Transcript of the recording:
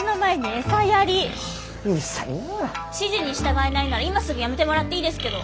指示に従えないなら今すぐ辞めてもらっていいですけど。